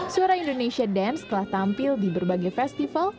suara indonesia dance telah tampil di berbagai festival